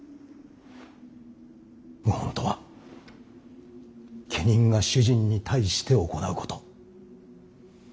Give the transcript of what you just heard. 謀反とは家人が主人に対して行うこと。